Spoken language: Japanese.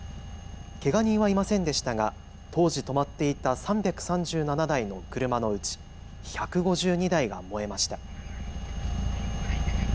けが人はいませんでしたが当時、止まっていた３３７台の車のうち１５２台が燃えました。